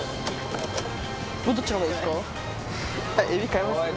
どっちの方がいいっすか？